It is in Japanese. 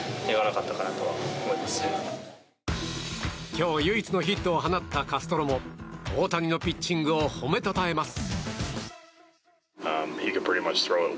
今日唯一のヒットを放ったカストロも大谷のピッチングを褒めたたえます。